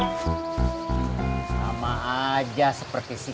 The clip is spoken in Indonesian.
sama aja seperti si